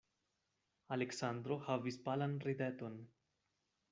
Aleksandro havis palan rideton.